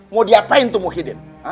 mau diapain tuh muhyiddin